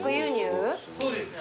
そうですね。